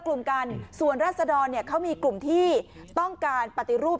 กลุ่มกันส่วนราศดรเนี่ยเขามีกลุ่มที่ต้องการปฏิรูป